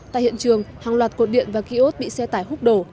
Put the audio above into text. tại hiện trường hàng loạt cột điện và ký ốt bị xe tải hút đổ